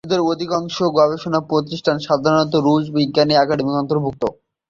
এদের অধিকাংশই গবেষণা প্রতিষ্ঠান, সাধারণত রুশ বিজ্ঞান একাডেমির অন্তর্ভুক্ত।